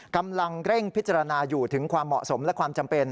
กำลังเร่งพิจารณาอยู่ถึงความเหมาะสมและความจำเป็น